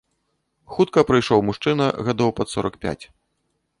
Хутка прыйшоў мужчына гадоў пад сорак пяць.